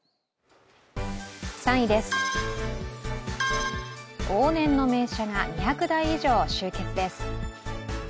３位です、往年の名車が２００台以上集結です。